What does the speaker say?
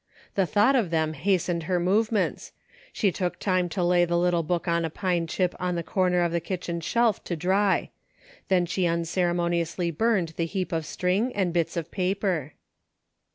The thought of them hastened her movements ; she took time to lay the little book on a pine chip on the corner of the kitchen shelf to dry ; then she unceremoniously burned the heap of string and bits of paper.